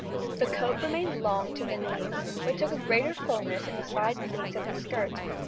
The coat remained long to the knees, but took a greater fullness in the side pleats of the skirt.